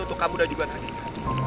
untuk kamu dan juga anak kita